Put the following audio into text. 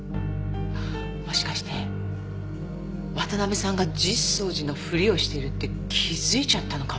もしかして渡辺さんが実相寺のふりをしているって気づいちゃったのかも。